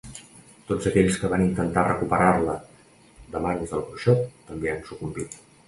Tots aquells que van intentar recuperar-la de mans del bruixot, també han sucumbit.